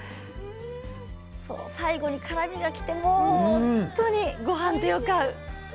最後に辛みがきて本当にごはんとよく合う。